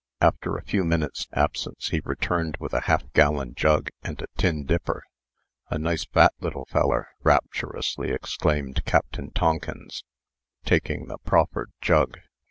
After a few minutes' absence, he returned with a half gallon jug and a tin dipper. "A nice, fat little feller," rapturously exclaimed Captain Tonkins, taking the proffered jug.